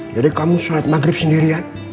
jadi kamu sholat maghrib sendirian